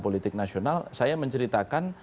politik nasional saya menceritakan